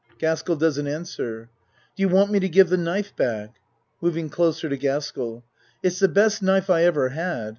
(Gaskell doesn't answer.) Do you want me to give the knife back? (Moving closer to Gaskell.) It's the best knife I ever had.